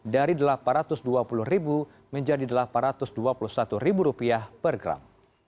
dari rp delapan ratus dua puluh menjadi rp delapan ratus dua puluh satu per gram